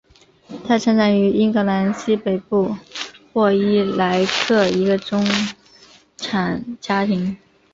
她成长于英格兰西北部霍伊莱克一个中产家庭。